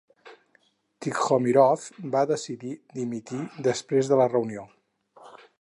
Tikhomirov va decidir dimitir després de la reunió.